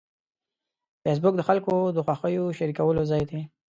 فېسبوک د خلکو د خوښیو شریکولو ځای دی